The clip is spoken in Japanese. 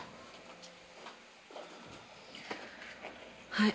はい。